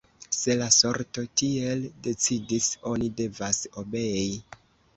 Se la sorto tiel decidis, oni devas obei!